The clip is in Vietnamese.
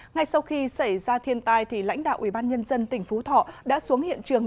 ngay sau khi xảy ra thiên tai lãnh đạo ủy ban nhân dân tỉnh phú thọ đã xuống hiện trường